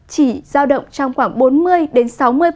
chỉ giao động trong khoảng bốn mươi đến sáu mươi